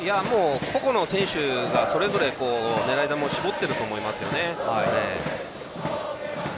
個々の選手がそれぞれ狙い球を絞っていると思いますね。